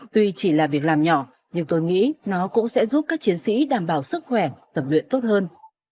tuy chỉ là việc làm nhỏ nhưng tôi nghĩ nó cũng sẽ giúp các chiến sĩ đảm bảo sức khỏe tập luyện tốt hơn